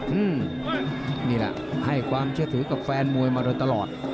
อืมนี่แหละให้ความเชื่อถือกับแฟนมวยมาโดยตลอด